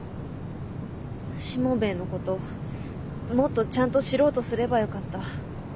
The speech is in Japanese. しもべえのこともっとちゃんと知ろうとすればよかった。